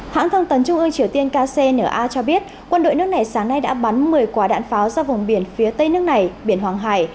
hãng thông tấn trung ương triều tiên kcna cho biết quân đội nước này sáng nay đã bắn một mươi quả đạn pháo ra vùng biển phía tây nước này biển hoàng hải